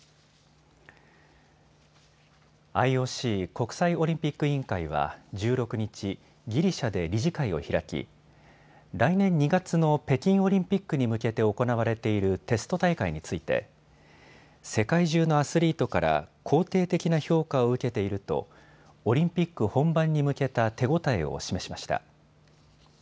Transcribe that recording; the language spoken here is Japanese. ＩＯＣ・国際オリンピック委員会は１６日、ギリシャで理事会を開き来年２月の北京オリンピックに向けて行われているテスト大会について世界中のアスリートから肯定的な評価を受けているとオリンピック本番に向けた手応えを示しました。